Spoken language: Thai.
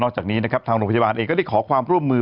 จากนี้นะครับทางโรงพยาบาลเองก็ได้ขอความร่วมมือ